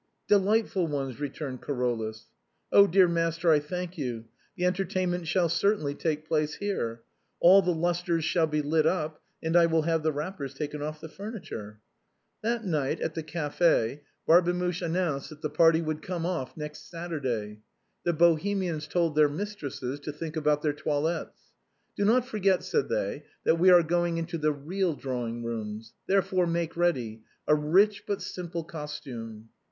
" Delightful ones," returned Carolus. " 0, my dear master, I thank you ; the entertainment shall certainly take place here; all the lustres shall be lit up, and I will have the wrappers taken off the furniture." That night, at the café, Barbemuche announced that the 150 THE BOHEMIANS OF THE LATIN QUARTER. party would come off next Saturday. The Bohemians told their mistresses to think about their toilettes. " Do not forget," said they, " that we are going into real drawing rooms. Therefore, make ready, a rich but simple costume.'